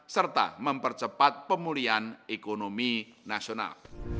serta mempercepat pemulihan ekonomi nasional